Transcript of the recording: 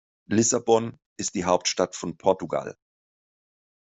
Lissabon ist die Hauptstadt von Portugal.